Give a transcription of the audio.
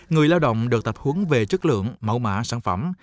người lao động được tập huấn về chất lượng mẫu mã sản phẩm